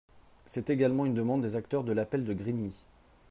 C’est également une demande des acteurs de l’appel de Grigny.